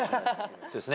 そうですね。